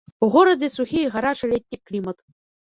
У горадзе сухі і гарачы летні клімат.